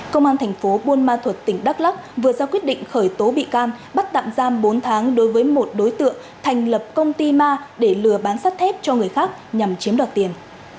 công an thành phố buôn ma thuật tỉnh đắk lắc vừa ra quyết định khởi tố bị can bắt tạm giam bốn tháng đối với một đối tượng thành lập công ty ma để lừa bán sắt thép cho người khác nhằm chiếm đoạt tiền